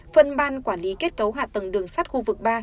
phân ban quản lý kết cấu hạ tầng đường sắt khu vực ba